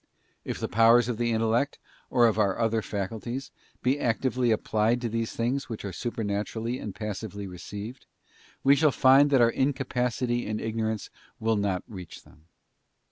If the powers of the intellect, or of our other faculties, be actively applied to these things which are supernaturally and passively received, we shall find that our incapacity and ignorance will not reach them.